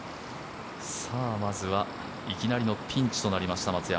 まずはいきなりのピンチとなりました、松山。